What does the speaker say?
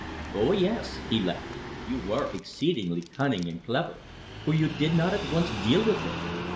Oh, yes!" he laughed, "you were exceedingly cunning and clever, for you did not at once deal with it.